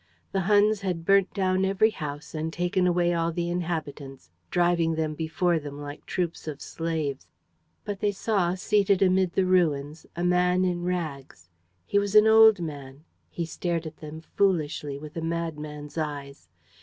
The Huns had burnt down every house and taken away all the inhabitants, driving them before them like troops of slaves. But they saw, seated amid the ruins, a man in rags. He was an old man. He stared at them foolishly, with a madman's eyes.